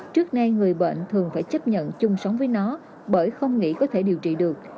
trước nay người bệnh thường phải chấp nhận chung sống với nó bởi không nghĩ có thể điều trị được